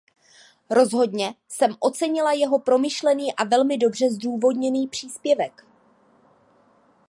Rozhodně jsem ocenila jeho promyšlený a velmi dobře zdůvodněný příspěvek.